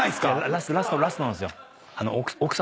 ラストなんすよ。